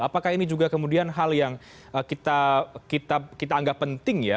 apakah ini juga kemudian hal yang kita anggap penting ya